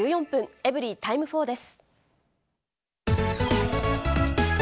エブリィタイム４です。